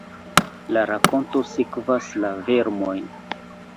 La rakonto sekvas la vermojn.